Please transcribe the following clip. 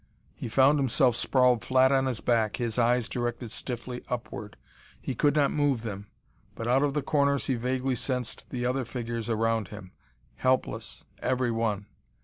He found himself sprawled flat on his back, his eyes directed stiffly upward. He could not move them, but out of the corners he vaguely sensed the other figures around him. Helpless, every one!